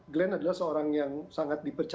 glenn adalah seorang yang sangat dipercaya